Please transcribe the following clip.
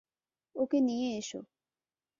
ওকে নিয়ে এসো।